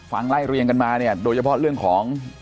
ไล่เรียงกันมาเนี่ยโดยเฉพาะเรื่องของ